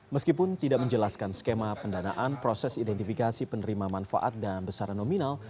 meskipun tidak menjelaskan skema pendanaan proses identifikasi penerima manfaat dan besaran nominal